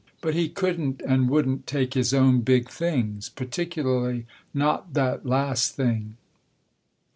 But he couldn't and wouldn't take his own big things, particularly not that last thing.